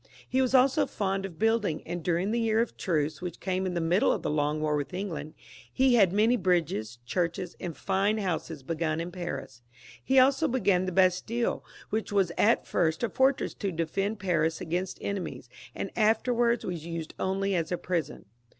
He was also fond of building, and during the one year of truce which came in the middle of the long war with England, he had many bridges, churches, and fine houses begun in Paris. He also began the Bas tiUe, which was at first a fortress to defend Paris against enemies, and afterwards was used only as a prison.